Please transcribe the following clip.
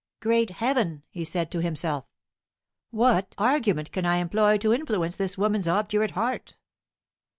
"Great Heaven!" he said to himself, "what argument can I employ to influence this woman's obdurate heart?"